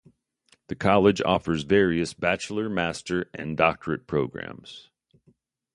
The college offers various bachelor, master, and doctorate programs.